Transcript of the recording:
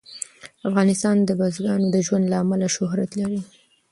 افغانستان د بزګانو د ژوند له امله شهرت لري.